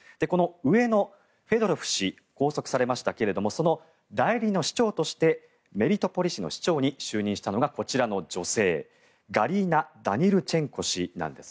この上のフェドロフ氏拘束されましたけどもその代理の市長としてメリトポリ市の市長に就任したのがこちらの女性ガリーナ・ダニルチェン氏。